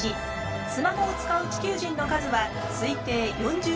スマホを使う地球人の数は推定４０億人。